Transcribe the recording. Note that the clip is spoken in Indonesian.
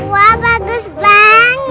wah bagus banget